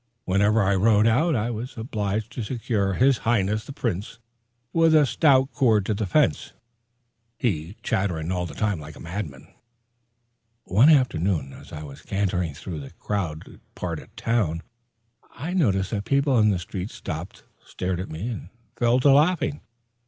Whenever I rode out, I was obliged to secure his Highness the Prince with a stout cord to the fence, he chattering all the time like a madman. One afternoon as I was cantering through the crowded part of the town, I noticed that the people in the street stopped, stared at me, and fell to laughing.